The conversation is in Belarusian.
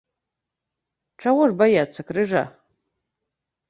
Чаго ж баяцца крыжа?